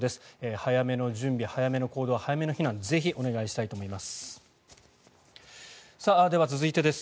早めの準備、早めの行動早めの避難をぜひお願いしたいと思います。